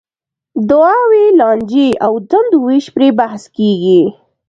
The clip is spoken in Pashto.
دعاوې، لانجې او دندو وېش پرې بحث کېږي.